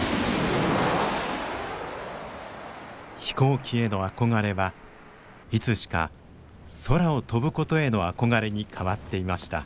飛行機への憧れはいつしか空を飛ぶことへの憧れに変わっていました。